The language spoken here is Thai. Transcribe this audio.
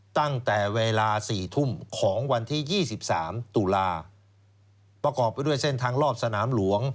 ตั้งแต่เวลา๔ทุ่มของวันที่๒๓ตุลาประกอบไปด้วยเส้นทางรอบสนามหลวง